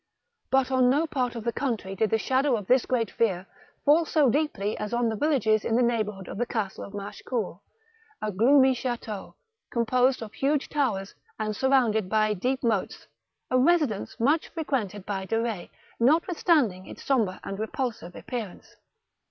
But on no part of the country did the shadow of this great fear fall so deeply as on the villages in the neighbourhood of the Castle of Machecoul, a gloomy chateau, composed of huge towers, and surrounded by deep moats, a residence much frequented by De Retz, notwithstanding its sombre and repulsive appearance.